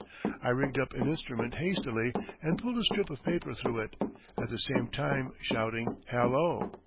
I rigged up an instrument hastily and pulled a strip of paper through it, at the same time shouting 'Hallo!'